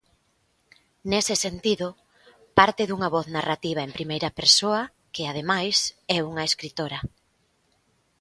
Nese sentido, parte dunha voz narrativa en primeira persoa que, ademais, é unha escritora.